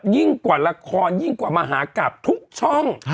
ยิ่งกว่าละครยิ่งกว่ามหากราบทุกช่อง